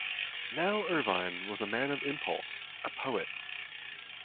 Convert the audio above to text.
Now Irvine was a man of impulse, a poet.